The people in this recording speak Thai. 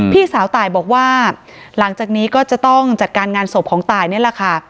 พี่สาวตายบอกว่าหลังจากนี้ก็จะต้องจัดการงานศพของตายนี่แหละค่ะ